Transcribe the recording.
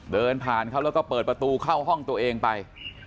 เดินผ่านเขาแล้วก็เปิดประตูเข้าห้องตัวเองไป